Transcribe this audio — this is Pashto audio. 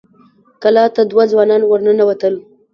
کلا ته دوه ځوانان ور ننوتل.